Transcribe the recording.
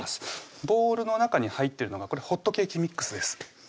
ボウルの中に入ってるのがこれホットケーキミックスです